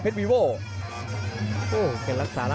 สวัสดิ์นุ่มสตึกชัยโลธสวัสดิ์